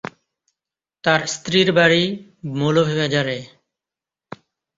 তার স্ত্রীর বাড়ি মৌলভীবাজারে।